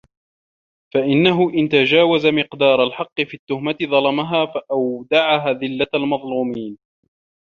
فَإِنَّهُ إنْ تَجَاوَزَ مِقْدَارَ الْحَقِّ فِي التُّهْمَةِ ظَلَمَهَا فَأَوْدَعَهَا ذِلَّةَ الْمَظْلُومِينَ